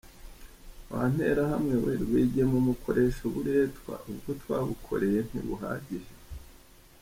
Wa nterahamwe we Rwigema umukoresha uburetwa, ubwo twagukoreye ntibuhagije?